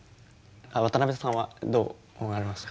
渡さんはどう思われました？